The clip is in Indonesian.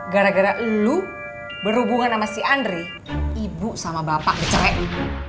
gara gara lu berhubungan sama si andri ibu sama bapak dicerai